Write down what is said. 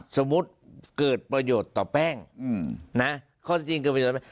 สมมติเกิดประโยชน์ต่อแป้งข้อจริงก็เป็น